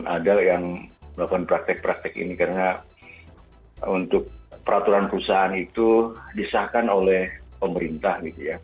ada yang melakukan praktek praktek ini karena untuk peraturan perusahaan itu disahkan oleh pemerintah gitu ya